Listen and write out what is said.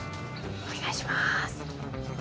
お願いします。